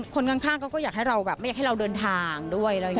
คนข้างเขาก็อยากให้เราแบบไม่อยากให้เราเดินทางด้วย